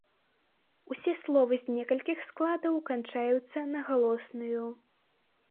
Усе словы з некалькі складаў канчаюцца на галосную.